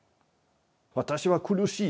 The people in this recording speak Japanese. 私は苦しい。